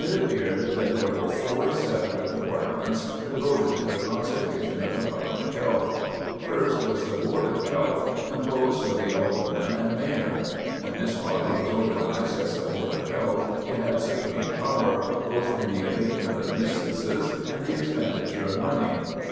It appeared that there were four separate departments devoted to the conservation of the public health. First, was the Board of Health, composed of the Aldermen and Mayor. When this body was organized as a Board of Health it had supreme power, both in the abatement of nuisances and the expenditure of money.